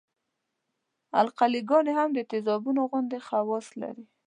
القلي ګانې هم د تیزابونو غوندې خواص لري.